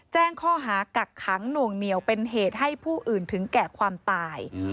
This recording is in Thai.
แจ้งข้อหากักขังหน่วงเหนียวเป็นเหตุให้ผู้อื่นถึงแก่ความตาย